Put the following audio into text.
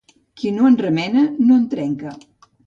Qui no en remena, no en trenca.